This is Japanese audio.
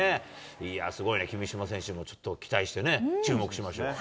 いや、すごいね、君嶋選手も、ちょっと期待してね、注目しましょう。